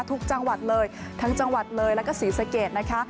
ทุกจังหวัดเลยทั้งจังหวัดเลยและก็สินเกจนะคะ